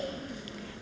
chúng ta bàn